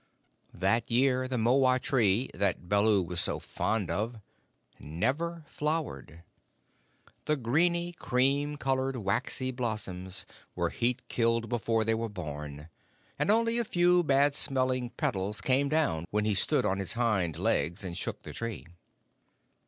That spring the mohwa tree, that Baloo was so fond of, never flowered. The greeny, cream colored, waxy blossoms were heat killed before they were born, and only a few bad smelling petals came down when he stood on his hind legs and shook the tree.